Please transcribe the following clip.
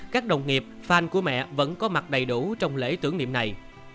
các đồng nghiệp phanh của mẹ vẫn có mặt đầy đủ trong lễ tưởng niệm này